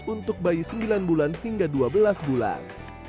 untuk bayi sembilan bulan hingga dua belas bulan